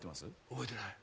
覚えてない。